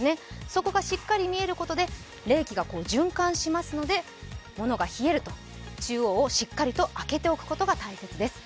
そこがしっかり見えることで冷気が循環しますのでものが冷える、中央をしっかりと開けておくことが大切です。